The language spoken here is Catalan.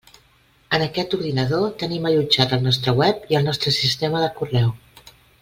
En aquest ordinador tenim allotjat el nostre web i el nostre sistema de correu.